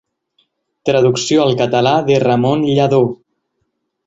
Traducció al català de Ramon Lladó.